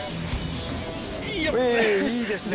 いいですね